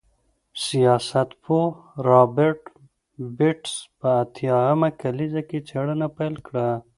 سیاستپوه رابرټ بېټس په اتیا مه لسیزه کې څېړنه پیل کړه.